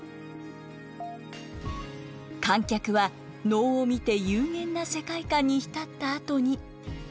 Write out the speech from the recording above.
観客は能を見て幽玄な世界観に浸ったあとに。